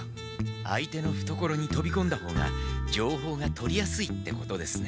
相手のふところにとびこんだ方がじょうほうが取りやすいってことですね。